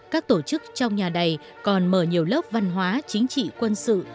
các tổ chức trong nhà đầy còn mở nhiều lớp văn hóa chính trị quân sự